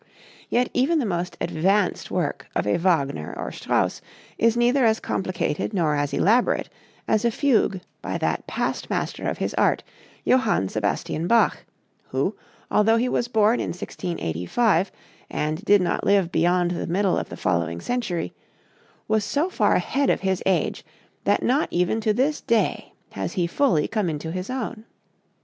Yet even the most advanced work of a Wagner or Strauss is neither as complicated nor as elaborate as a fugue by that past master of his art, Johann Sebastian Bach, who, although he was born in 1685 and did not live beyond the middle of the following century, was so far ahead of his age that not even to this day has he fully come into his own.